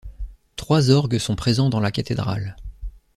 Trois orgues sont présents dans la cathédrale.